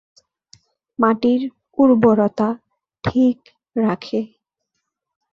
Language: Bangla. মাটির উর্বরতা ঠিক রাখে।